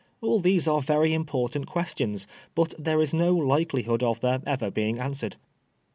All these are very important questions, but there is no likelihood of their ever being answered.